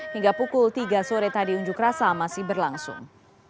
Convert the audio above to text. hingga pukul tiga sore tadi unjuk rasa masih berlangsung